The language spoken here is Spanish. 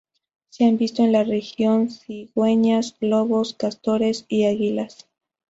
Se han visto en la región cigüeñas, lobos, castores y águilas.